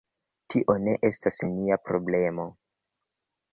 Tio ne estas nia problemo.